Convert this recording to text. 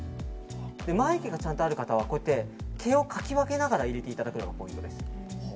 眉毛がちゃんとある方は毛をかき分けながら入れていただくのがポイントです。